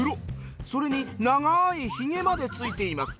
それに長い髭までついています。